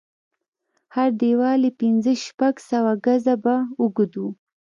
هر دېوال يې پنځه شپږ سوه ګزه به اوږد و.